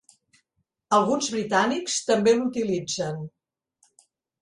Alguns britànics també l'utilitzen.